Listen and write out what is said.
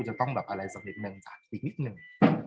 จะต้องแบบอะไรสักนิดนึงสักนิดนึง